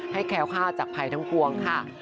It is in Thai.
ให้แคล้วข้าวจากภัยทั้งควรค่ะ